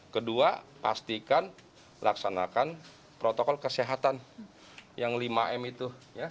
kedua pastikan laksanakan protokol kesehatan yang lima m itu